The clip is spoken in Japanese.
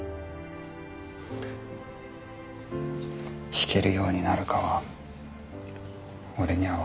弾けるようになるかは俺には分からない。